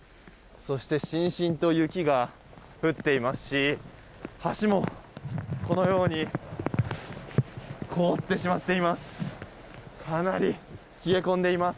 そして、しんしんと雪が降っていますし橋も、このように凍ってしまっています。